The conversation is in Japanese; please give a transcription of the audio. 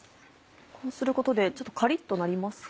こうすることでちょっとカリっとなりますか？